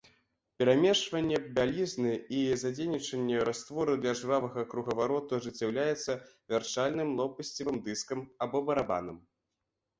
Перамешванне бялізны і задзейнічанне раствору для жвавага кругавароту ажыццяўляецца вярчальным лопасцевым дыскам або барабанам.